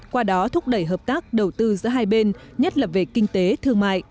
qua đó thúc đẩy hợp tác đầu tư giữa hai bên nhất là về kinh tế thương mại